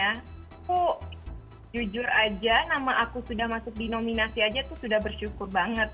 aku jujur aja nama aku sudah masuk di nominasi aja tuh sudah bersyukur banget